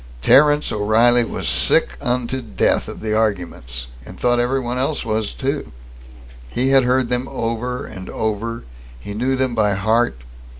Terence O'Reilly was sick unto death of the arguments, and thought everyone else was, too. He had heard them over and over; he knew them by heart.